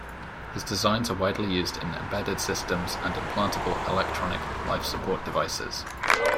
His designs are widely used in embedded systems and implantable, electronic, life-support devices.